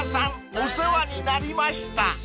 お世話になりました］